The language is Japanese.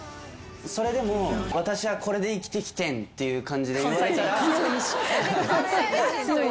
それでも「私はこれで生きてきてん」っていう感じで言われたら。